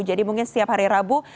jadi mungkin setiap hari rabu